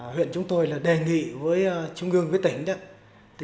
huyện chúng tôi là đề nghị với trung ương với tỉnh